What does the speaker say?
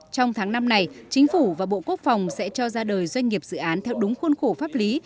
trong tháng năm này chính phủ và bộ quốc phòng sẽ cho ra đời doanh nghiệp dự án theo đúng khuôn khổ pháp lý